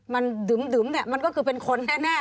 มันดึมเนี่ยมันก็คือเป็นคนแน่